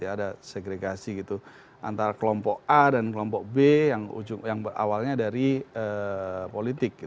ada segregasi gitu antara kelompok a dan kelompok b yang awalnya dari politik